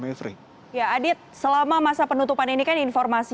ya adit selama masa penutupan ini kan informasi